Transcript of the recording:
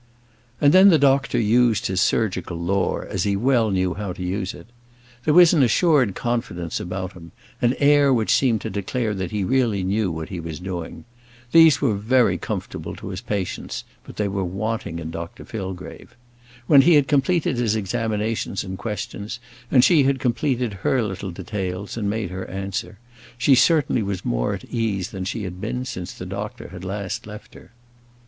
And then the doctor used his surgical lore, as he well knew how to use it. There was an assured confidence about him, an air which seemed to declare that he really knew what he was doing. These were very comfortable to his patients, but they were wanting in Dr Fillgrave. When he had completed his examinations and questions, and she had completed her little details and made her answer, she certainly was more at ease than she had been since the doctor had last left her.